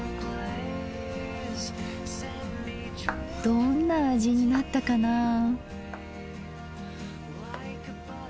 どんな味になったかなあ。